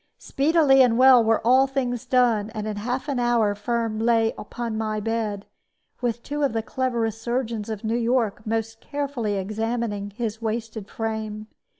Speedily and well were all things done; and in half an hour Finn lay upon my bed, with two of the cleverest surgeons of New York most carefully examining his wasted frame.